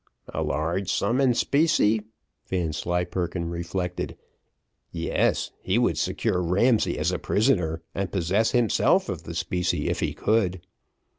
"A large sum in specie?" Vanslyperken reflected. "Yes, he would secure Ramsay as a prisoner, and possess himself of the specie if he could.